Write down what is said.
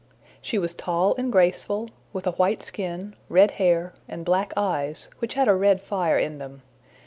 She was tall and graceful, with a white skin, red hair, and black eyes, which had a red fire in them.